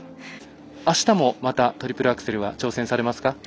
あしたもまたトリプルアクセルは挑戦されますか。